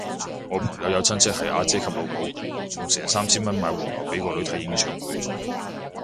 我朋友有親戚係阿姐級老母，用成三千蚊買黃牛俾個女睇演唱會